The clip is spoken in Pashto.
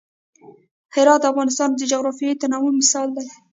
هرات د افغانستان د جغرافیوي تنوع مثال دی.